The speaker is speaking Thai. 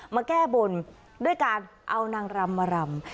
มาแก้บนด้วยการเอานางรำมารำ